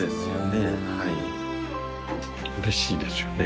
うれしいですよね。